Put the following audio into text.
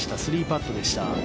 ３パットでした。